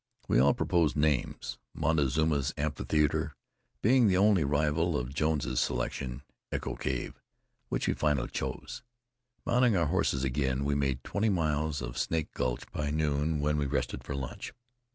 We all proposed names: Montezuma's Amphitheater being the only rival of Jones's selection, Echo cave, which we finally chose. Mounting our horses again, we made twenty miles of Snake Gulch by noon, when we rested for lunch.